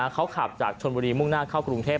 เขาขับจากชนบุรีมุ่งหน้าเข้ากรุงเทพ